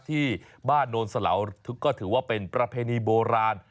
ที่บ้านโนนสะเหลาก็ถือว่าเป็นประเพณีโบราณ